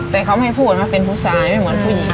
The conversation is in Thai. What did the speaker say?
แต่เขาไม่พูดว่าเป็นผู้ชายไม่เหมือนผู้หญิง